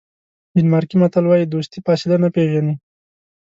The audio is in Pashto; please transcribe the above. ډنمارکي متل وایي دوستي فاصله نه پیژني.